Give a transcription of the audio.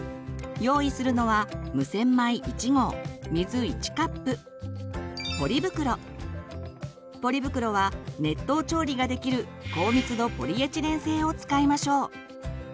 用意するのはポリ袋は熱湯調理ができる高密度ポリエチレン製を使いましょう。